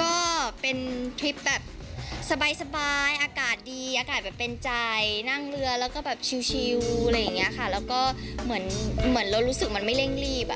ก็เป็นทริปแบบสบายอากาศดีอากาศแบบเป็นใจนั่งเรือชิวแล้วก็เหมือนเรารู้สึกว่ามันไม่เร่งรีบ